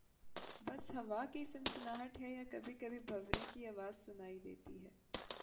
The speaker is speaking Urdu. بس ہوا کی سنسناہٹ ہے یا کبھی کبھی بھنورے کی آواز سنائی دیتی ہے